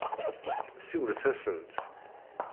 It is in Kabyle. Siwlet-asent.